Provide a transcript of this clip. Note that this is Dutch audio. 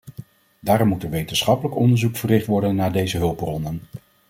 Daarom moet er wetenschappelijk onderzoek verricht worden naar deze hulpbronnen.